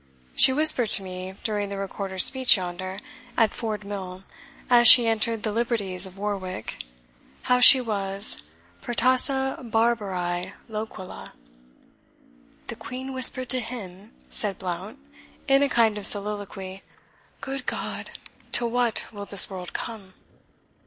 She whispered to me, during the Recorder's speech yonder, at Ford mill, as she entered the liberties of Warwick, how she was 'PERTAESA BARBARAE LOQUELAE.'" "The Queen whispered to HIM!" said Blount, in a kind of soliloquy; "Good God, to what will this world come!"